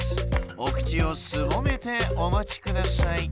おくちをすぼめておまちください。